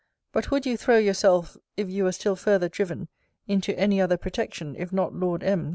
But would you throw yourself, if you were still farther driven, into any other protection, if not Lord M.'